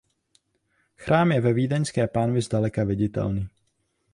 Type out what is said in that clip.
Chrám je ve Vídeňské pánvi zdaleka viditelný.